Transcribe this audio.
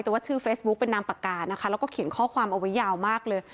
แต่ว่าชื่อเฟซบุ๊กเป็นนามปากกานะคะแล้วก็เขียนข้อความเอาไว้ยาวมากเลย